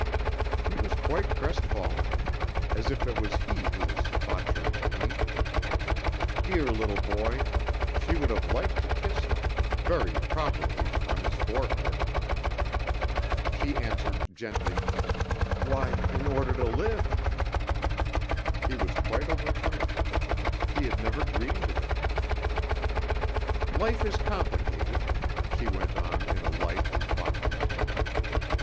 (He was quite crestfallen, as if it was he who was the botcher in paint!... Dear little boy! She would have liked to kiss him ... very properly, on his forehead!) She answered gently: "Why, in order to live." He was quite overcome. He had never dreamed of it. "Life is complicated," she went on in a light and mocking tone.